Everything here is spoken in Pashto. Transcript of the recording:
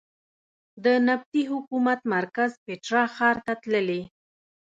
د نبطي حکومت مرکز پېټرا ښار ته تللې.